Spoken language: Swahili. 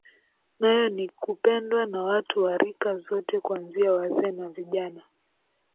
Nayo ni kupendwa na watu wa Rika zote kuanzia wazee na vijana